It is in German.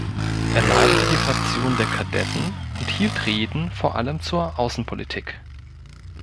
Er leitete die Fraktion der „Kadetten“ und hielt Reden vor allem zur Außenpolitik.